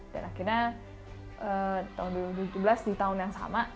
dan akhirnya tahun dua ribu tujuh belas di tahun yang sama